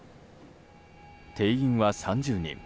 定員は３０人。